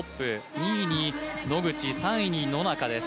２位に野口、３位に野中です。